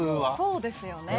そうですよね。